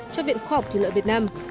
cho viện khoa học thủy lợi việt nam